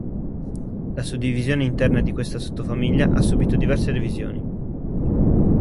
La suddivisione interna di questa sottofamiglia ha subito diverse revisioni.